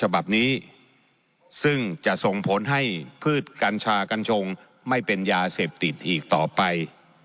ฉบับนี้ซึ่งจะส่งผลให้พืชกัญชากัญชงไม่เป็นยาเสพติดอีกต่อไป